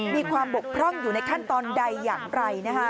มีความบกพร่องอยู่ในขั้นตอนใดอย่างไร